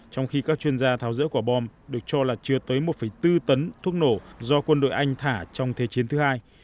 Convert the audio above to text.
trong khi các chuyên gia tháo rỡ quả bom được cho là chưa tới một bốn tấn thuốc nổ do quân đội anh thả trong thế chiến thứ hai